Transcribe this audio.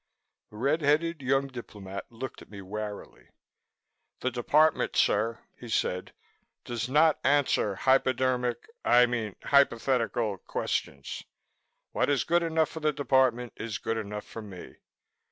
The red headed young diplomat looked at me warily. "The Department, sir," he said, "does not answer hypodermic I mean hypothetical questions. What is good enough for the Department is good enough for me."